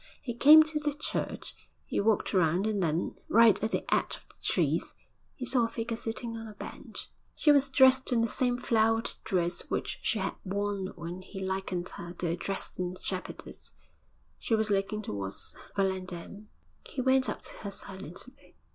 He came to the church; he walked round, and then right at the edge of the trees he saw a figure sitting on a bench. She was dressed in the same flowered dress which she had worn when he likened her to a Dresden shepherdess; she was looking towards Volendam. He went up to her silently.